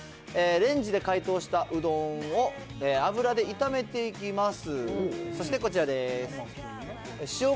レンジで解凍したうどんを油で炒めていきます。